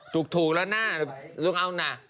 ถูกถูกแล้วหน้า